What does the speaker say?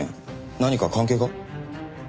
何か関係が？